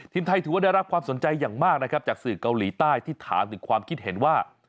ไทยถือว่าได้รับความสนใจอย่างมากนะครับจากสื่อเกาหลีใต้ที่ถามถึงความคิดเห็นว่า